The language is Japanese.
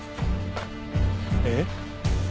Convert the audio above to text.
えっ？